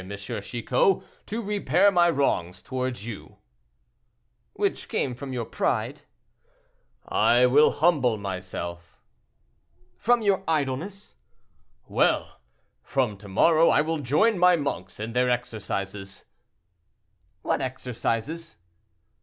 Chicot—to repair my wrongs toward you." "Which came from your pride." "I will humble myself." "From your idleness." "Well! from to morrow I will join my monks in their exercises." "What exercises?"